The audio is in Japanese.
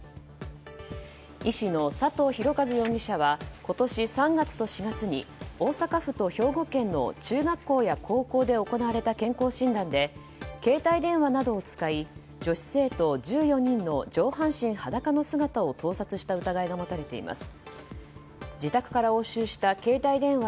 医師の佐藤博和容疑者は今年３月と４月に大阪府と兵庫県の中学校や高校で行われた健康診断で、携帯電話などを使い女子生徒１４人の上半身裸の姿を盗撮した疑いが持たれています。